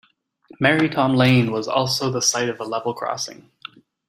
Merry Tom Lane was also the site of a level crossing.